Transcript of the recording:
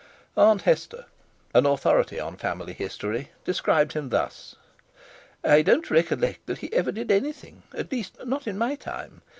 Aunt Hester, an authority on family history, described him thus: "I don't recollect that he ever did anything; at least, not in my time.